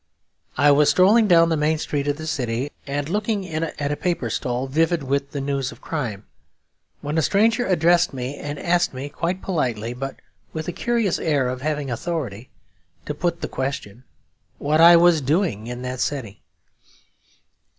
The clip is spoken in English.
I was strolling down the main street of the city, and looking in at a paper stall vivid with the news of crime, when a stranger addressed me; and asked me, quite politely but with a curious air of having authority to put the question, what I was doing in that city.